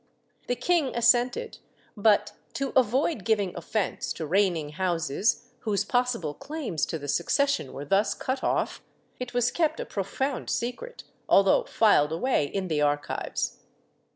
The king assented but, to avoid giving offence to reigning houses whose possible claims to the succession were thus cut off, it was kept a profound secret, although filed away in the archives.